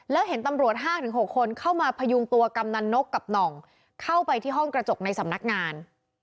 แล้วเห็นตำรวจ๕๖คนเข้ามาพยุงตัวกำนันนกกับหน่องเข้าไปที่ห้องกระจกในสำนักงาน